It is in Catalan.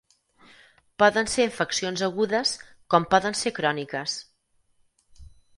Poden ser infeccions agudes com poden ser cròniques.